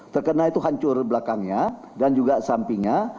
terkena itu hancur belakangnya dan juga sampingnya